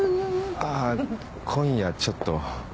あっ今夜ちょっと。